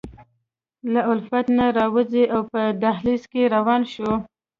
له لفټ نه راووځو او په دهلېز کې روان شو.